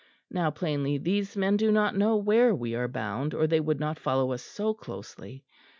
Now plainly these men do not know where we are bound, or they would not follow us so closely.